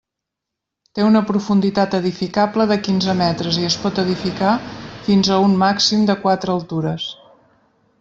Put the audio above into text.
Té una profunditat edificable de quinze metres i es pot edificar fins a un màxim de quatre altures.